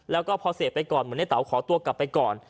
แล้วก็พอเสพไปก่อนเหมือนในเต๋าขอตัวกลับไปก่อน